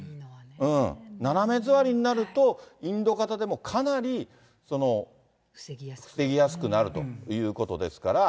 斜め座りになると、インド型でもかなり防ぎやすくなるということですから。